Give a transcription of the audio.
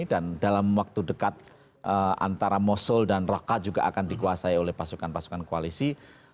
dan dalam waktu dekat antara mosul dan raqqa juga akan dikuasai oleh pasukan pasukan koalisi